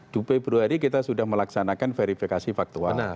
di februari kita sudah melaksanakan verifikasi faktual